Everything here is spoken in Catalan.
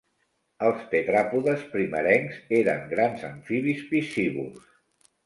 Els tetràpodes primerencs eren grans amfibis piscívors.